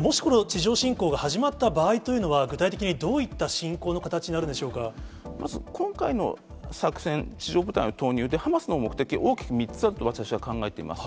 もしこの地上侵攻が始まった場合というのは、具体的にどういったまず今回の作戦、地上部隊の投入、ハマスの目的、大きく３つあると私は考えています。